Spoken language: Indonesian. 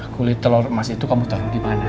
kulit telur emas itu kamu tahu di mana